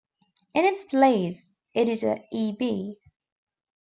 In its place, editor E. B.